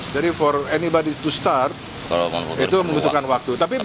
jadi untuk siapapun yang mau mulai itu membutuhkan waktu